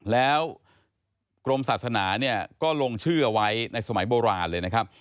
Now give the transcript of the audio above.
แล้วกรมศาสนาเนี่ยก็ลงชื่อเอาไว้ในสมัยโบราณเลยนะครับ